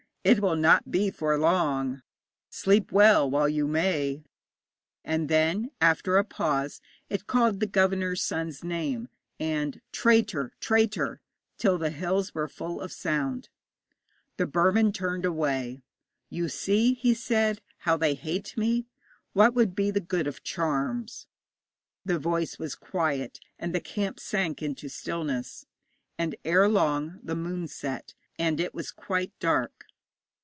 It will not be for long. Sleep well while you may.' And then, after a pause, it called the governor's son's name, and 'Traitor, traitor!' till the hills were full of sound. The Burman turned away. 'You see,' he said, 'how they hate me. What would be the good of charms?' The voice was quiet, and the camp sank into stillness, and ere long the moon set, and it was quite dark.